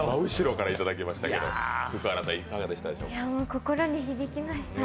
心に響きました。